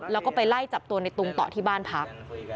แล้วก็ไปไล่จับตัวในตุงต่อที่บ้านพัก